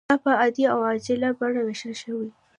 دا په عادي او عاجله بڼه ویشل شوې.